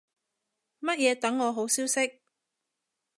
乜嘢等我好消息